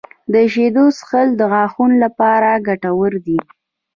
• د شیدو څښل د غاښونو لپاره ګټور دي.